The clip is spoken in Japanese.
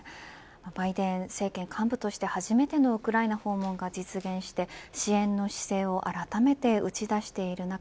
バイデン政権幹部として初めてのウクライナ訪問が実現して支援の姿勢をあらためて打ち出している中